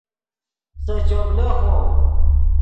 سے چوپ لیخو